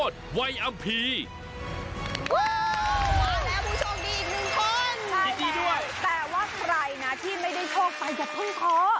แต่ว่าใครนะที่ไม่ได้โชคไปอย่าเพิ่งท้อ